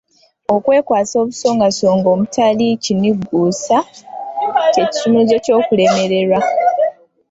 Okwekwasa obusongasonga obutaliimu kanigguusa kye kisumuluzo ky'okulemererwa.